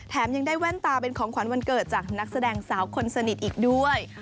ยังได้แว่นตาเป็นของขวัญวันเกิดจากนักแสดงสาวคนสนิทอีกด้วย